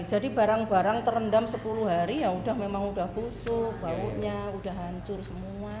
jadi barang barang terendam sepuluh hari yaudah memang udah busuk bau nya udah hancur semua